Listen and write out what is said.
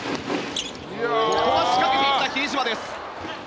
ここは仕掛けていった比江島です。